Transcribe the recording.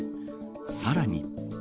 さらに。